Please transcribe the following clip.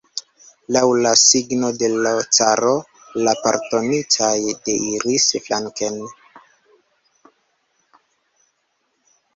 Laŭ la signo de l' caro, la pardonitaj deiris flanken.